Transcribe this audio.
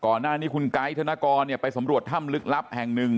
ก่อนหน้านี้คุณไกด์ธนกรไปสำรวจถ้ำลึกลับแห่งหนึ่ง